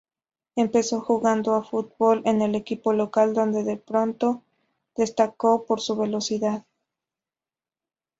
Empezó jugando a fútbol en el equipo local, donde pronto destacó por su velocidad.